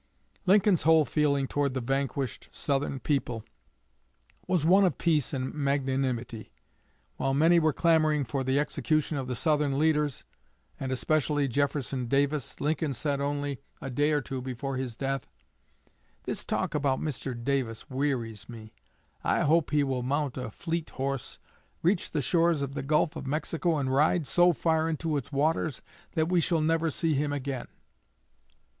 _'" Lincoln's whole feeling toward the vanquished Southern people was one of peace and magnanimity. While many were clamoring for the execution of the Southern leaders, and especially Jefferson Davis, Lincoln said, only a day or two before his death: "This talk about Mr. Davis wearies me. I hope he will mount a fleet horse, reach the shores of the Gulf of Mexico, and ride so far into its waters that we shall never see him again."